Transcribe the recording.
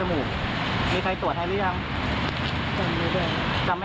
แล้วคุณป้าได้ตรวจโควิดไหม